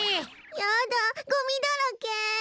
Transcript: やだゴミだらけ。